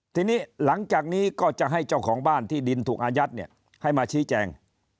ทีนี้หลังจากนี้ก็จะให้เจ้าของบ้านที่ดินถูกอายัดให้มาชี้แจง